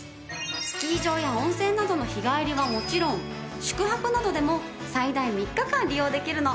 スキー場や温泉などの日帰りはもちろん宿泊などでも最大３日間利用できるの。